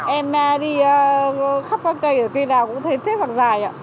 em đi khắp các cây ở kia nào cũng thấy xếp hàng dài